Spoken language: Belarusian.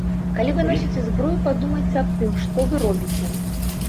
Калі вы носіце зброю, падумайце аб тым, што вы робіце.